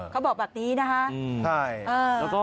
เขาบอกแบบนี้นะฮะนะฮะใช่